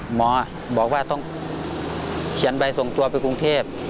หมอบอกว่าต้องเขียนใบส่งตัวไปกรุงเทพ